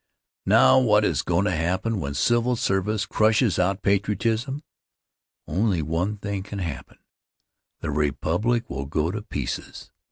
Now, what is goin' to happen when civil service crushes out patriotism? Only one thing can happen: the republic will go to pieces.